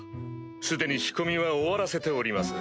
既に仕込みは終わらせております。